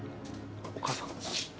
お母さん？